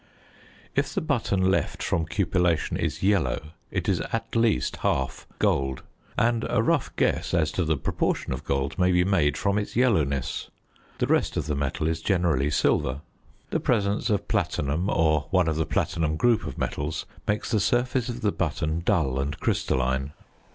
If the button left from cupellation is yellow it is at least half gold, and a rough guess as to the proportion of gold may be made from its yellowness; the rest of the metal is generally silver. The presence of platinum or one of the platinum group of metals makes the surface of the button dull and crystalline.